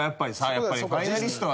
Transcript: やっぱりファイナリストが。